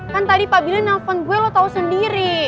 kan tadi pak billy nelfon gue lo tau sendiri